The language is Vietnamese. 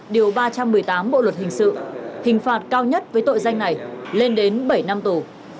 điều ba trăm một mươi tám bộ luật hình sự hình phạt cao nhất với tội danh này lên đến bảy năm tù